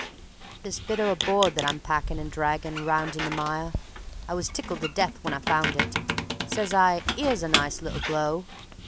This bit o' a board that I'm packin' and draggin' around in the mire, I was tickled to death when I found it. Says I, "'Ere's a nice little glow."